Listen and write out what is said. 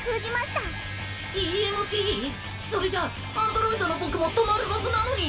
それじゃアンドロイドの僕も止まるはずなのに。